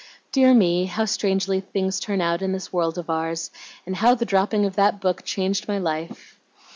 Dear me! how strangely things turn out in this world of ours, and how the dropping of that book changed my life!